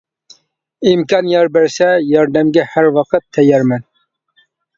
ئىمكان يار بەرسە ياردەمگە ھەر ۋاقىت تەييارمەن.